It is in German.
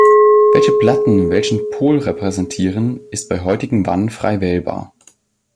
Welche Platten welchen Pol repräsentieren, ist bei heutigen Wannen frei wählbar.